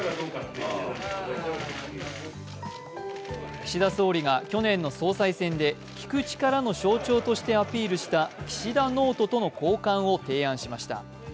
岸田総理が去年の総裁選で聞く力の象徴としてアピールした岸田ノートとの交換を提案しました。